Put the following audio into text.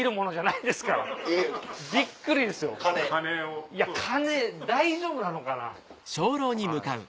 いや鐘大丈夫なのかな？